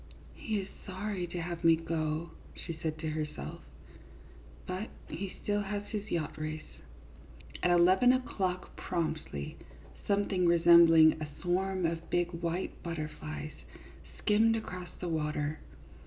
" He is sorry to have me go," she said to herself, " but he still has his yacht race." At eleven o'clock, promptly, something resembling a swarm of big white butterflies skimmed across the water.